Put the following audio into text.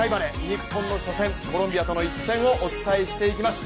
日本の初戦、コロンビアとの一戦をお伝えしていきます。